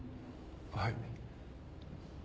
はい。